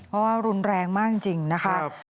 เพราะว่ารุนแรงมากจริงนะคะ